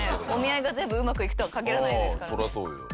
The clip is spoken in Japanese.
お見合いが全部うまくいくとは限らないですからね。